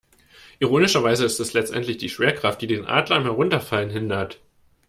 Ironischerweise ist es letztendlich die Schwerkraft, die den Adler am Herunterfallen hindert.